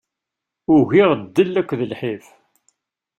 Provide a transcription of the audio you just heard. Ugiɣ ddel akked lḥif.